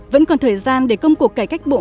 vẫn còn thời gian để công cuộc cải cách bộ